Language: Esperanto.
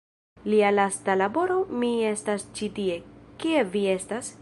Lia lasta laboro "Mi estas ĉi tie- Kie vi estas?